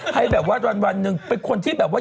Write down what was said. ให้แบบว่าวันหนึ่งเป็นคนที่แบบว่า